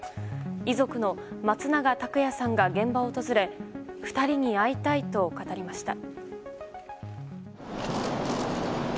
遺族の松永拓也さんが現場を訪れ２人に会いたいと語りました。